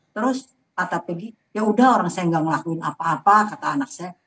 terus kata pergi yaudah orang saya gak ngelakuin apa apa kata anak saya